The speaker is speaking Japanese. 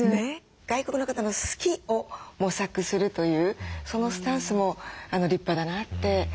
外国の方の「好き」を模索するというそのスタンスも立派だなって思いました。